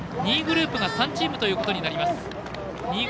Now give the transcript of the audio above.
２位グループが３チームということになります。